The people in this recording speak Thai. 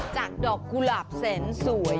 จากดอกกุหลาบแสนสวย